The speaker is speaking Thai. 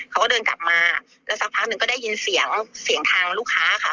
เขาก็เดินกลับมาแล้วสักพักหนึ่งก็ได้ยินเสียงเสียงทางลูกค้าค่ะ